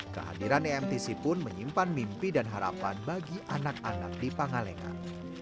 kehadiran emtc pun menyimpan mimpi dan harapan bagi anak anak di pangalengan